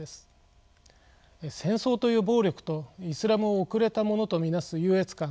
戦争という暴力とイスラムを遅れたものと見なす優越感。